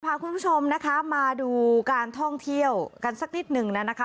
พาคุณผู้ชมนะคะมาดูการท่องเที่ยวกันสักนิดหนึ่งแล้วนะคะ